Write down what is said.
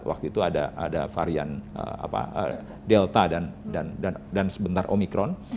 waktu itu ada varian delta dan sebentar omikron